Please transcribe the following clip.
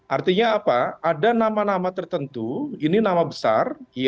artinya apa ada nama nama tertentu ini nama besar